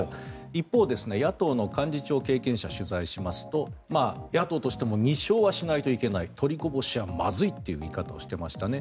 一方、野党の幹事長経験者を取材しますと野党としても２勝はしないといけない取りこぼしはまずいという見方をしていましたね。